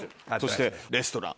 そしてレストラン。